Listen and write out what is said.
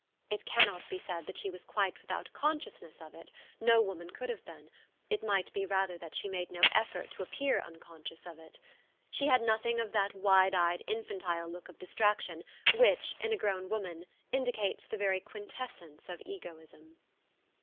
It cannot be said that she was quite without consciousness of it ; no woman could have been : it might be rather that she made no effort to appear unconscious of it. SI ic had nothing of that wide eyed, infantile look of distraction, which, in a grown woman, indicates the very quintessence of egoism.